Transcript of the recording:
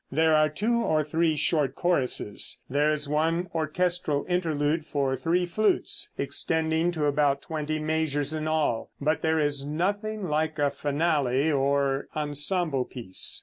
There are two or three short choruses; there is one orchestral interlude for three flutes, extending to about twenty measures in all, but there is nothing like a finale or ensemble piece.